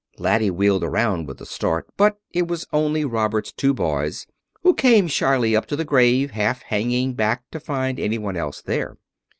Laddie wheeled around with a start, but it was only Robert's two boys, who came shyly up to the grave, half hanging back to find anyone else there.